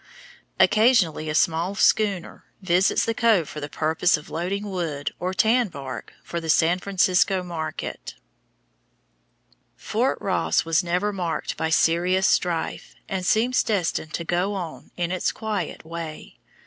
Occasionally a small schooner visits the cove for the purpose of loading wood or tan bark for the San Francisco market. [Illustration: FIG. 72. RUSSIAN BLOCKHOUSE, FORT ROSS] Fort Ross was never marked by serious strife and seems destined to go on in its quiet way.